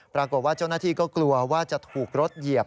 ปรากฏว่าเจ้าหน้าที่ก็กลัวว่าจะถูกรถเหยียบ